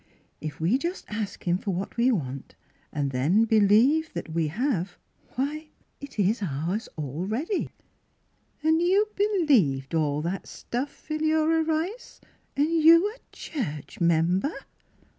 If we just ask Him for w^hat we want, and then believe that we have; why, it is ours already." " And you believed all that stuff, Phi Miss Philura's Wedding Gozun lura Rice, and you a church member?